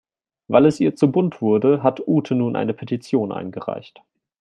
Weil es ihr zu bunt wurde, hat Ute nun eine Petition eingereicht.